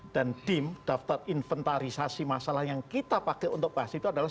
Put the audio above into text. dan dim daftar inventarisasi masalah yang kita pakai untuk bahas itu adalah